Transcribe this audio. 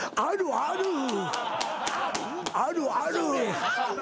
あるある。